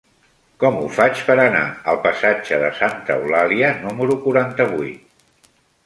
Com ho faig per anar al passatge de Santa Eulàlia número quaranta-vuit?